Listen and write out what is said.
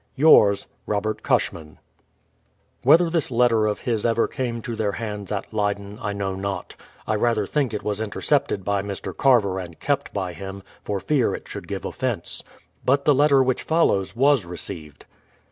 Yours, ROBERT CUSHMAN. Whether this letter of his ever came to their hands at Leyden, I know not; I rather think it was intercepted by; THE PLYjMOUTH settlement 45 Mr. Carver and kept by him, for fear it should give ofifence. But the letter which follows was received.